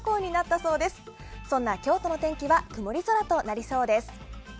そんな京都の天気は曇り空となりそうです。